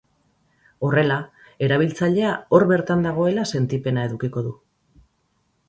Horrela erabiltzailea hor bertan dagoela sentipena edukiko du.